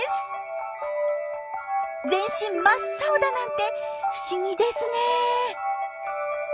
全身真っ青だなんて不思議ですね。